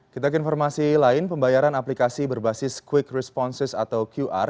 kita ke informasi lain pembayaran aplikasi berbasis quick responses atau qr